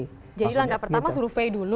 jadi langkah pertama survei dulu